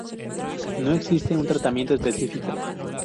No existe un tratamiento específico.